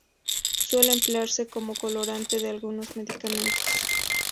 Suele emplearse como colorante de algunos medicamentos.